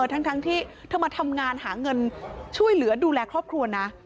ทั้งที่เธอมาทำงานหาเงินช่วยเหลือดูแลครอบครัวนะ